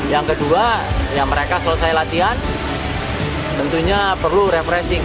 yang kedua mereka selesai latihan tentunya perlu refreshing